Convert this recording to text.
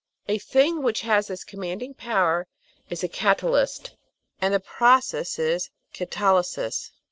A thing which has this commanding power is a catalyst, and the process is catalysis.